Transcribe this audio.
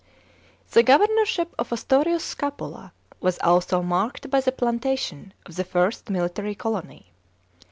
The governorship of Ostorius Scapula was also marked by the plantation of the first military colony.